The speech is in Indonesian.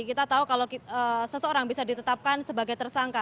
kita tahu kalau seseorang bisa ditetapkan sebagai tersangka